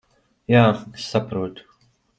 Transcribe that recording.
Jā, es saprotu.